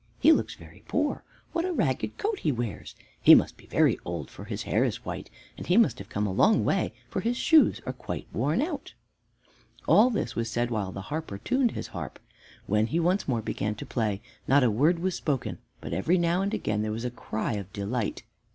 "He looks very poor." "What a ragged coat he wears!" "He must be very old, for his hair is white; and he must have come a long way, for his shoes are quite worn out." All this was said while the harper tuned his harp. When he once more began to play, not a word was spoken, but every now and again there was a cry of delight.